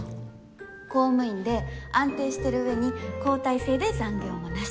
公務員で安定してる上に交代制で残業もなし。